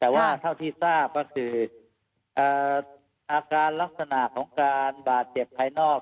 แต่ว่าเท่าที่ทราบก็คืออาการลักษณะของการบาดเจ็บภายนอก